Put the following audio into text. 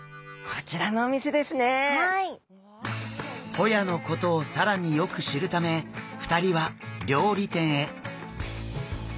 ホヤのことを更によく知るため２人は料理店へ。